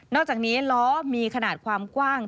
อกจากนี้ล้อมีขนาดความกว้าง